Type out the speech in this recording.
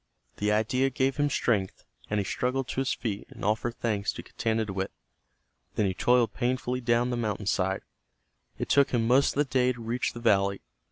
The idea gave him strength, and he struggled to his feet and offered thanks to Getanittowit. Then he toiled painfully down the mountainside. It took him most of the day to reach the valley.